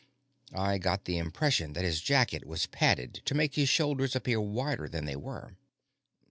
I got the impression that his jacket was padded to make his shoulders appear wider than they were.